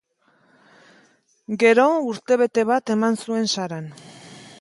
Gero, urtebete bat eman zuen Saran.